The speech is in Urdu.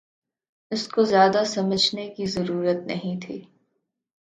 اس کو زیادہ سمجھنے کی ضرورت نہیں تھی